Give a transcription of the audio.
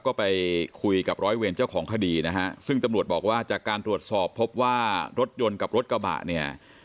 ก็ไปคุยกับร้อยเวรเจ้าของคดีนะฮะซึ่งตำรวจบอกว่าจากการตรวจสอบพบว่ารถยนต์กับรถกระบะเนี่ย